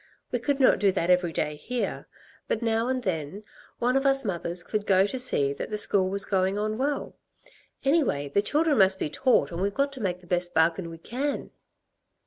We could not do that every day here, but now and then one of us mothers could go to see that the school was going on well. Anyway, the children must be taught and we've got to make the best bargain we can."